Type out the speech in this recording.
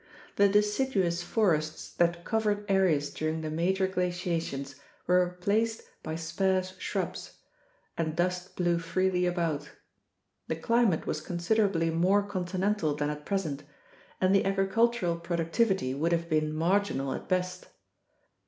The deciduous forests that covered areas during the major glaciations were replaced by sparse shrubs, and dust blew freely about. The climate was considerably more continental than at present, and the agricultural productivity would have been marginal at best.